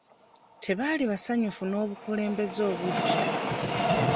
Tebaali basanyufu n'obukulembeze obuggya.